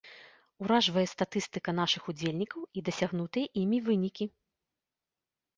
Уражвае статыстыка нашых удзельнікаў і дасягнутыя імі вынікі.